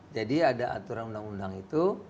jadi ada aturan undang undang itu